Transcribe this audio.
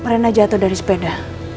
rena jatuh dari sepeda